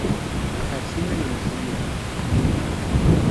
Ḥerrek iman-nnek imir-a.